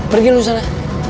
pergi lu sana